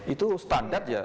itu standar ya